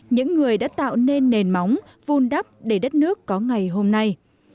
những người đã tạo nên nền móng vun đắp để đất nước có ngày hôm nay